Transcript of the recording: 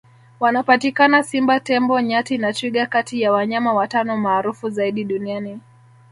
wanapatikana simba tembo nyati na twiga kati ya wanyama watano maarufu zaidi duniani